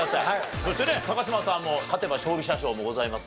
そしてね嶋さんも勝てば勝利者賞もございますので。